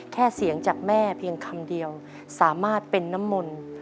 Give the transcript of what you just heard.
แค่เสียงจากแม่เพียงคำเดียวสามารถเป็นน้ำมนต์